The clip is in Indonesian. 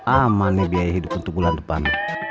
amannya biaya hidup untuk bulan depan